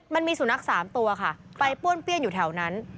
มันมีสุนัข๓ตัวค่ะไปป้วนเปี้ยนอยู่แถวนั้น